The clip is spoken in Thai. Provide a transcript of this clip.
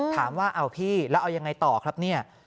ถามว่าเอาพี่แล้วเอายังไงต่อครับเนี่ย